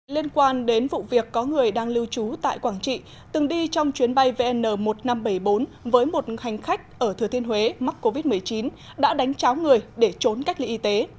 liên quan đến vụ việc có người đang lưu trú tại quảng trị từng đi trong chuyến bay vn một nghìn năm trăm bảy mươi bốn với một hành khách ở thừa thiên huế mắc covid một mươi chín đã đánh cháo người để trốn cách ly y tế